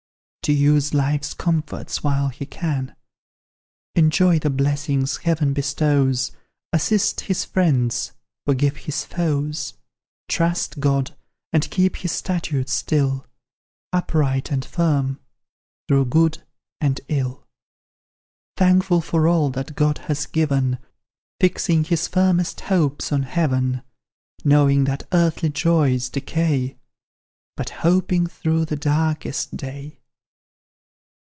To use life's comforts while he can, Enjoy the blessings Heaven bestows, Assist his friends, forgive his foes; Trust God, and keep His statutes still, Upright and firm, through good and ill; Thankful for all that God has given, Fixing his firmest hopes on Heaven; Knowing that earthly joys decay, But hoping through the darkest day.